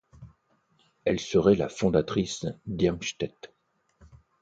Elle serait la fondatrice d’Irmstett.